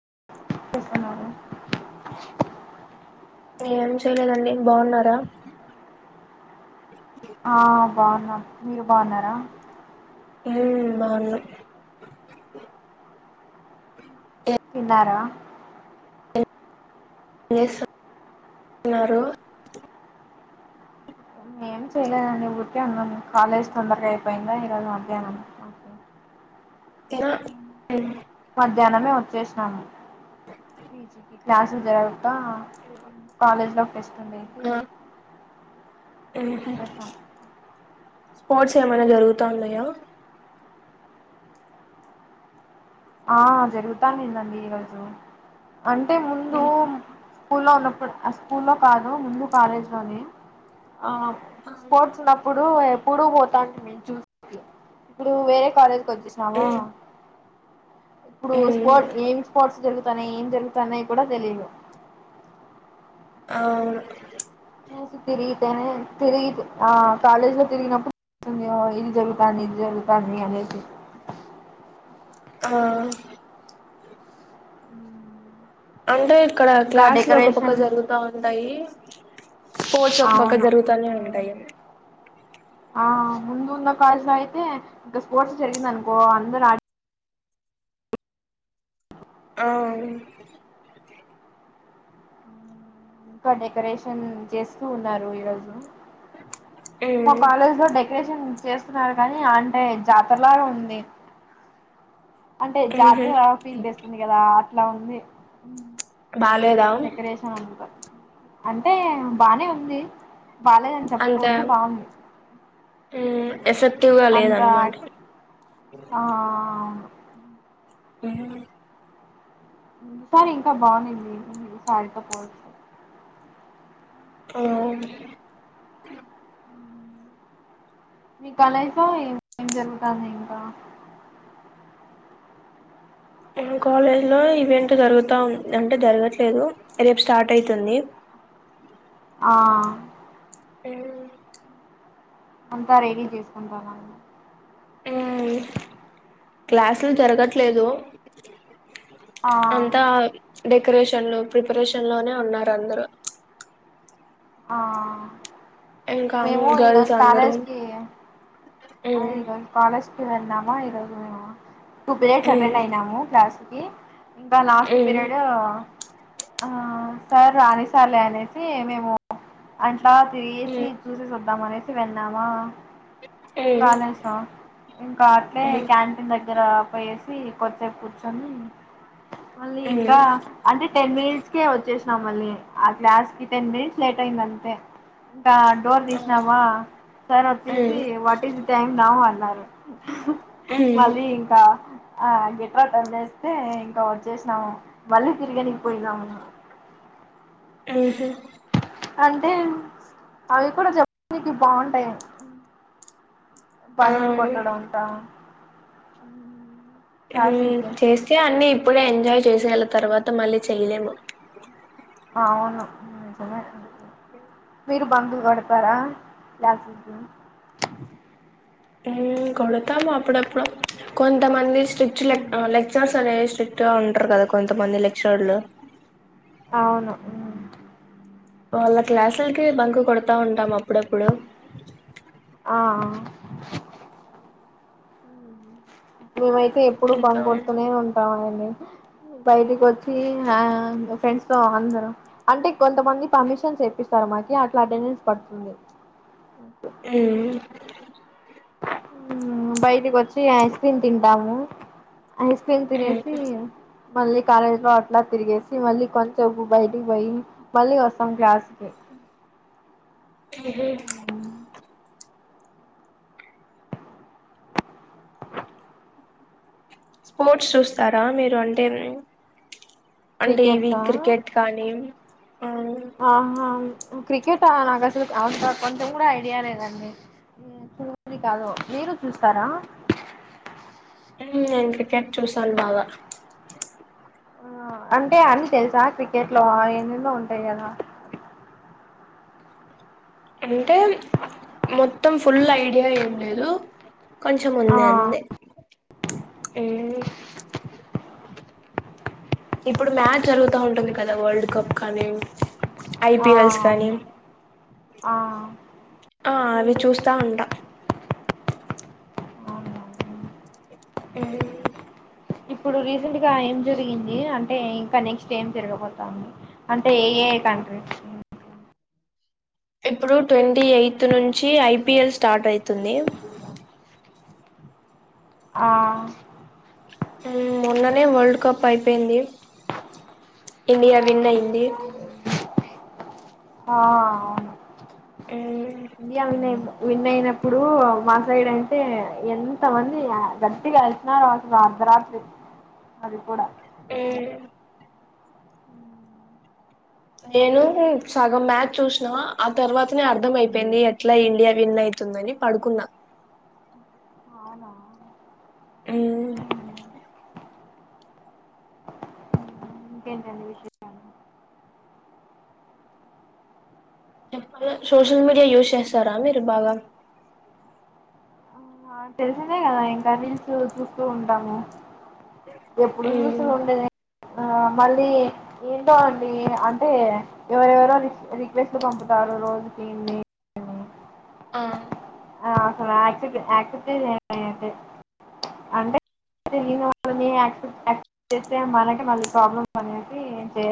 [unintelligible] ఏం చేయలేదండి బాగున్నారా బాగున్నా మీరు బాగున్నారా ఉ బాగున్నాం తిన్నారా [inaudible] న్నారు ఏం చేయలేదండి ఊరికే ఉన్నాము కాలేజ్ తొందరగా అయిపోయిందా ఈరోజు అధ్యహ్నం తినా ఉమ్, మధ్యాహ్నమే వచ్చేసిన క్లాసులు జర హా కాలేజ్ లో ఫెసిటా హుహు స్పోర్ట్స్ ఏమైనా జరుగుతాన్నాయా ఆ జరుగుతానింది అండి ఈరోజు అంటే ఉమ్ స్కూలో ఉన్నప్పుడు స్కూల్లో కాదు ముందు కాలేజ్ లోని ఆ స్పోర్ట్స్ ఉన్నప్పుడు ఇప్పుడు పోతాంటమి ఇప్పుడు వేరే కాలేజి కి వచ్చేసినాము ఉమ్ ఇప్పుడు ఉమ్, స్పోర్ట్ ఏం స్పోర్ట్స్ జరుగు తన ఏం జరుగుతన్న కూడా తెలియదు అవును చూసి తిరిగితేనే తిరిగి ఆ కాలేజ్ లో తిరిగినప్పుడు ఇది హో జరుగుతంది ఇది జరుగుతంది అనేసి ఆ అంటే ఇక్కడ ఇంకా క్లాస్ లు ఒక పక్క డెకరేషన్ జరుగుతా ఉంటాయి స్పోర్ట్స్ ఒక పక్క అవును జరుగుతానే ఉంటాయి ఆ ముందు ఉన్న క్లాస్ లో అయితే ఇంకా స్పోర్ట్స్ జరిగిందనుకో అందరు ఆ ఆ ఇంక డెకరేషన్ చేస్తూ ఉన్నారు ఈరోజు మా ఉమ్ కాలేజి లో డెకరేషన్ చేస్తున్నారు కానీ అంటే జాతరలాగా ఉంది అంటే ఉహు జాతర ఫీల్ తేస్తుంది కదా అట్లా ఉంది బాలేదా డెకరేషన్ అంత అంటే బానే ఉంది బాలేదని అంతే చెప్పోదు బావుంది ఉమ్ ఎఫెక్టివ్ గా అంత లేదనమాట ఆ ఆ ఉమ్ సారి ఇంకా బాగుంనింది సారీ తో [unintelligible] ఆ మీ కాలేజి లా ఏ ఏం జరుగుతాంది ఇంకా కాలేజ్ లో ఈవెంట్ జరుగుతా అంటే జరగట్లేదు రేపు స్టార్ట్ అయితుంది ఆ హు అంతా రెడీ చేసుకుంటా [unintelligible] మ్మ్ క్లాసులు జరగట్లేదు ఆ అంతా డె కరేషన్లు ప్రిపరేషన్ లోనే ఉన్నారు అందరూ ఆ ఇంకా మేము ఈరోజు గర్ల్స్ అందరూ కాలేజి కి హ మ్మ్ ఈ రోజు కాలేజ్ వెళ్దామా ఈరోజు టూ పీరియడ్స్ మ్మ్ అటెండ్ అయినాము క్లాస్ ఇంకా లాస్ట్ మ్మ్ పిరియడ్ ఆ సార్ రానిస్తారు లే అనేసి మేము అ అలా తిరిగేసి మ్మ్ చూసేసి వద్దాం అనేసి వెళ్లామా మ్మ్ కాలేజా ఇంకా అట్లే మ్మ్ క్యాంటీన్ ద గ్గర పోయేసి కొద్దిసేపు కూర్చొని మళ్ళీ ఇంకా మ్మ్ అంటే టెన్ మినిట్స్ కె వచ్చేశి న మళ్ళీ ఆ క్లాస్ కి టెన్ మినిట్స్ లేట్ అయింది అంతే ఇంకా డోర్ తీసినామా సార్ వచ్చేసి మ్మ్ [unintelligible] న్నావు అన్నారు మళ్ళీ మ్మ్ ఇంకా ఆ [unintelligible] ఇంకా వచ్చేసినాము మళ్ళీ తిరిగనికి పోయినాము ఆ హ్ అంటే అవి కూడా చెప్పనికి బాగుంటాయి ఆ బంక్ కొట్టడం [unintelligible] ఉమ్ చేస్తే అన్ని ఇప్పుడే ఎంజాయ్ చేసేయాల తర్వాత మళ్ళీ చేయలేము అవును [unintelligible] మీరు బంక్ కొడతారా క్లాస్సేస్ ఉమ్ కొడతాము అప్పుడప్పుడు కొంతమంది స్ట్రిక్ట్ లెక్చర్స్ అనే స్ట్రిక్ట్ గా ఉంటారు కదా కొంతమంది లెక్చరర్లు అవును వాళ్ళ క్లాసులకి బంక్ కొడతా ఉంటాం అప్పుడప్పుడు ఆ మేమైతే ఎప్పుడు ఇంకా బంక్ కొడతనే ఉంటాం అండి బయటికి వచ్చి ఆ ఫ్రెండ్స్ తో అందరం అంటే కొంతమంది పర్మిషన్స్ చెప్పిస్తారు కి అట్లా అటెండెన్స్ పడుతుంది ఎ ఉమ్ బయటికి వచ్చి ఐస్ క్రీమ్ తింటాము ఐస్ క్రీమ్ తినేసి మళ్ళీ కాలేజ్ లో అట్లా తిరిగేసి మళ్ళీ కొంచెం బయటికి పోయి మళ్ళీ వస్తాం క్లాస్ కి అ ఎందుకు స్పోర్ట్స్ చూస్తారా మీరు అంటేనే అంటే ఇవి క్రికెట్సా క్రికెట్ కానీ ఆ ఆహా క్రికెట్ ఆ నాకు అసలు అ కొంచెం కూడా ఐడియా లేదండి మూవీ కాదు మీరు చూస్తారా ఉమే నేను క్రికెట్ చూస్తాను బాగా అంటే అని తెలుసా క్రికెట్ లో ఎన్నెన్నో ఉంటాయి కదా అంటే మొత్తం ఫుల్ ఐడియా ఏం లేదు కొంచెం ఆ ఉంది అంతే ఉమ్ ఇప్పుడు మ్యాచ్ జరుగుతా ఉంటుంది కదా వరల్డ్ కప్ కానీ ఆ ఐపిఎల్స్ కానీ అవును ఆ ఆ అవి చూస్తా ఉంటా అవును ఉహుమ్ ఇప్పుడు రీసెంట్ గా ఏం జరిగింది అంటే ఇంకా నెక్స్ట్ ఏం జరగపోతాంది అంటే ఏ ఏ ఏ కంట్రీస్ ఇప్పుడు ట్వంటీ ఎయిత్ నుంచి ఐపీఎల్ స్టార్ట్ అయితుంది ఆ ఉమ్ మొన్ననే వరల్డ్ కప్ అయిపోయింది ఇండియా విన్ అయింది ఆ ఆమ్ ఇండియా విన్ ఐనా ఇప్పుడు మా సైడ్ అంటే ఎంత మంది గట్టిగా వెలిసినారో అసలు అర్ధరాత్రి అది కూడా ఆమ్ నేను సగం మ్యాచ్ చూసినా ఆ తర్వాతనే అర్థం అయిపోయింది ఎట్లా ఇండియా విన్ అయి తుందని పడుకున్నా అవునా ఆమ్ ఇంకేంటండి విశేష చెప్ప సోషల్ మీడియా యూజ్ చేస్తారా మీరు బాగా ఆ తెలిసిందే కదా ఇంకా రిల్స్ చూస్తూ ఉంటాము ఎప్పుడు చూసినా ఉండేదే ఆ మళ్ళీ ఏంటో అండి అంటే ఎవరెవరో రి రిక్వెస్ట్ పంపుతారు ఆరవై రోజు టీని ఆ ఆ అసలు ఆర్సిబి ఆర్సిబి ది అంటే అయితే మనకి మళ్ళీ ప్రాబ్లమ్ అనేది చే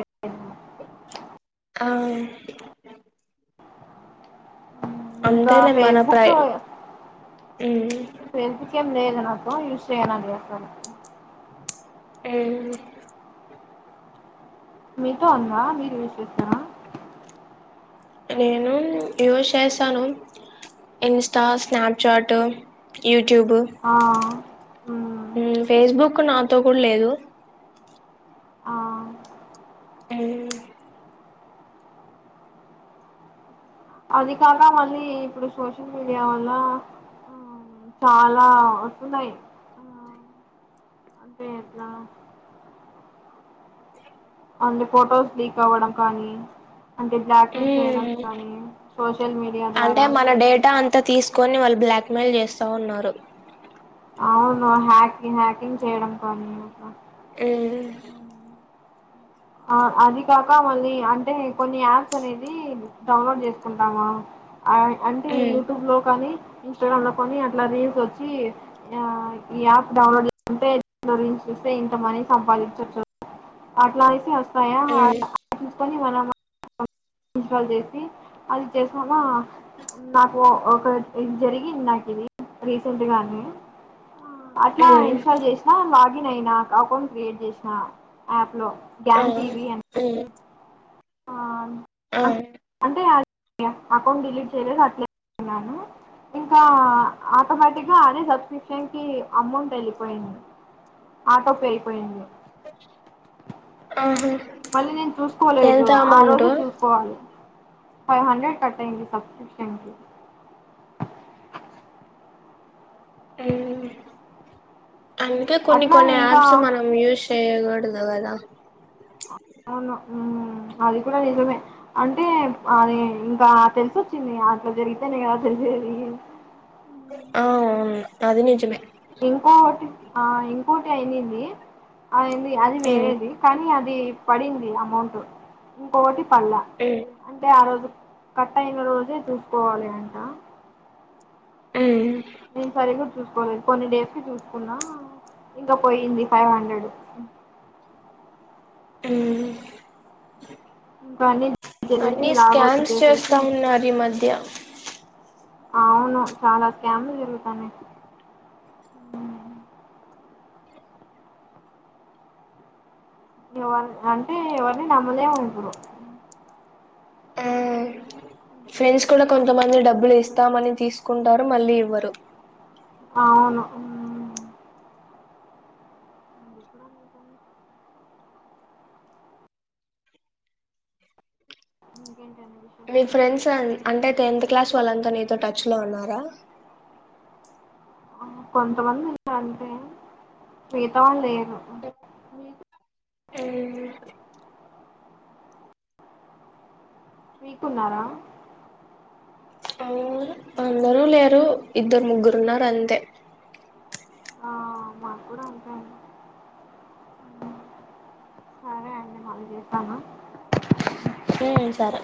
అవునే ఇంకా మన ప్రై ఫేస్బుక్ ఉమ్ ఫేస్బుక్ ఏం లేదు నా యూజ్ చేయనండి అసలు ఏ మీకు ఉందా మీరు యూజ్ చేస్తారా నేను యూజ్ చేస్తాను ఇన్స్టా స్నాప్చాట్ యట్యూబ్ ఆ ఉమ్ ఫేస్బుక్ నాతో కూడా లేదు ఆ. హ్మ్ అది కాక మళ్ళీ ఇప్పుడు సోషల్ మీడియా వల్ల చాలా వస్తున్నాయి అదేలా అంటే ఫొటోస్ లీక్ అవ్వడం కానీ అంటే బ్లాక్ మెయిల్ చేయడం ఉమ్ కానీ సోషల్ మీడియా అంటే ద్వారా మన డేటా అంతా తీసుకొని వాళ్ళు బ్లాక్మెెయిల్ చేస్తా ఉన్నారు అవును హ్యాకింగ్ హ్యాకింగ్ చేయడం కానీ హ్మ్ ఆ అది కాక మళ్ళీ అంటే కొన్ని యాప్స్ అనేది డౌన్లోడ్ చేసుకుంటామా అంటే ఉమ్ యూట్యూబ్ లో కానీ ఇన్స్టాగ్రామ్ లో కొని అట్లా రీల్స్ వచ్చి ఈ యాప్ డౌన్లోడ్ చేంటే రీల్స్ ఇంత మాని సంపాదించవచ్చు అట్లా అయితే వస్తాయి మ్మ్ [unintelligible] చేసి అది చేసామా నాకు ఒక ఇది జరిగింది నాకు ఇది రీసెంట్ గానే అట్లా ఉమ్ ఇన్స్టాల్ చేసినా లాగిన్ అయినా అకౌంట్ క్రియేట్ చేసిన యాప్ లో ఆ గ్యాన్ టీవీ అని హ్మ్ ఆ అంటే అకౌంట్ డిలీట్ చేయలేదు అట్లే న్నాను ఇంకా ఆటోమేటిక్గా అద సబ్స్క్రిప్షన్ కి అమౌంట్ వెళ్ళిపోయింది ఆటో పే అయిపోయింది ఆహా మళ్ళీ నేను చూసుకోలేదు ఎంత ఆ అమౌంట్ రోజే చూసుకోవాలి ఫైవ్ హండ్రెడ్ కట్ అయింది సబ్స్క్రిప్షన్కి అందుకే కొన్ని అట్లా కొన్ని ఇంకా యాప్స్ మనం యూస్ చేయాకుడదు కదా అవును. హ్మ్. అది కూడా నిజమే అంటే అది ఇంకా తెలిసొచ్చింది అట్లా జరిగితేనే గా జరి ఆ అది నిజమే ఇంకోకటి ఆ ఇంకోటి అయింది అది అది ఉమ్ వేరేది కానీ అది పడింది అమౌంట్ ఇంకొకటి పడాల ఉమ్ అంటే ఆ రోజు కట్ అయిన రోజే చూసుకోవాలి అంట మ్మ్ నేను సరిగా చూసుకోలేదు కొన్ని డేస్ కి చూసుకున్నా ఇంకా పోయింది ఫైవ్ హండ్రెడ్ హ్మ్ ఇంకా అన్ని చేసి లాగౌట్ స్కామ్స్ చేసేసి చేస్తా ఉన్నారు ఈ మధ్య అవును చాలా స్కామ్లు జరుగుతానయి ఎవరి అంటే ఎవరిని నమ్మలేం ఇప్పుడు ఆ ఫ్రెండ్స్ కూడా కొంతమంది డబ్బులు ఇస్తామని తీసుకుంటారు మళ్ళీ ఇవ్వరు అవును హ్మ్ ఇంకేం మీ ఫ్రెండ్స్ అంటే టెన్త్ క్లాస్ వాళ్ళంతా నీతో టచ్ లో ఉన్నారా కొంతమంది ఉన్నారు అంతే మిగతా వాళ్ళు లేరు ఏ మీకున్నారా అ అందరూ లేరు ఇద్దరు ముగ్గురు ఉన్నారు అంతే ఆ మాకు కూడా అంతే అండి మళ్ళ జేస్తామా ఉమ్ సరే